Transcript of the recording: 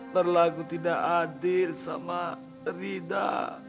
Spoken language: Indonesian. berlagu tidak adil sama rida